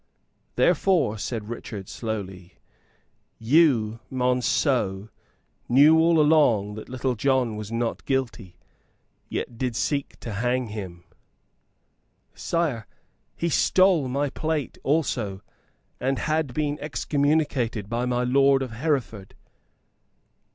"Therefore," said Richard, slowly, "you, Monceux, knew all along that Little John was not guilty, and yet did seek to hang him." "Sire, he stole my plate also, and had been excommunicated by my lord of Hereford."